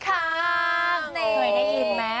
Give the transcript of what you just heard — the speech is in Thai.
ใช่